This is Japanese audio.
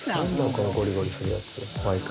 このゴリゴリするやつ毎回。